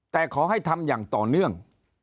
แต่ขอให้ทำอย่างต่อเนื่อง